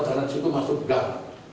karena di situ masuk gam